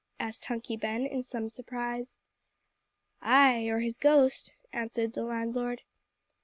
asked Hunky Ben, in some surprise. "Ay or his ghost," answered the landlord.